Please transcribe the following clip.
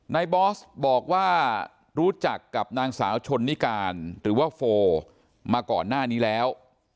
บอสบอกว่ารู้จักกับนางสาวชนนิการหรือว่าโฟมาก่อนหน้านี้แล้ว